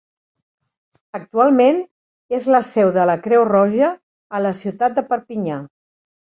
Actualment és la seu de la Creu Roja a la ciutat de Perpinyà.